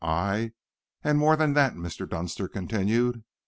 Aye, and more than that!" Mr. Dunster continued.